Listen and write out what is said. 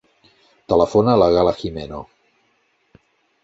Telefona a la Gala Jimeno.